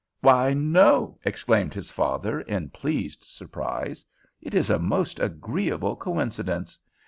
"Why, no!" exclaimed his father in pleased surprise. "It is a most agreeable coincidence.